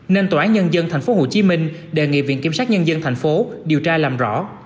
nên tòa án nhân dân tp hcm đề nghị viện kiểm sát nhân dân tp hcm điều tra làm rõ